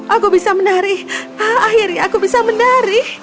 aku bisa menari akhirnya aku bisa menari